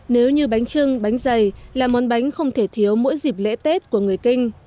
nếu như bánh trưng bánh dày là món bánh không thể thiếu mỗi dịp lễ tết của người kinh